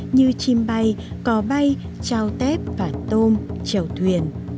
như chim bay cò bay trao tép và tôm trèo thuyền